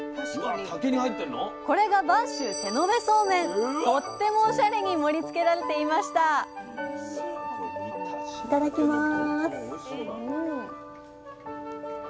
これがとってもおしゃれに盛りつけられていましたいただきます。